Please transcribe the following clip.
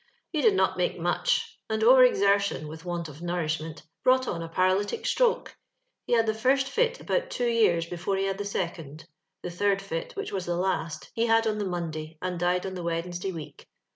He did not make much, and over exertion, with want of nourishment, brought on a para lytio stroke. He had the first fit about two years before he had the second ; the third fit, which was the last, he had on the Monday, and died on the Wednesday week.